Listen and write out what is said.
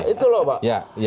itu lho pak